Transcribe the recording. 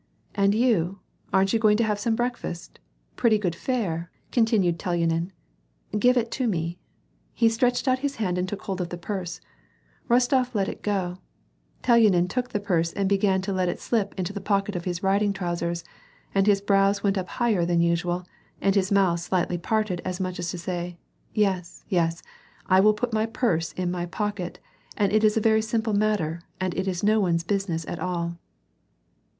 "And you? Aren't you going to have some breakfast. Pretty good fare," continued Telyanin. " Give it to me." He stretched out his hand and took hold of the purse. Rostof let it go. Telyanin took the purse and began to let it slip into the pocket of his riding trousers and bis brows went up higher than usual, and his mouth slightly parted as much as to say :" Yes, yes, I will put my purse in my pocket, and it is a very simple matter, and it is no one's busi ness at all."